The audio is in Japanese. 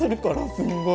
すごい！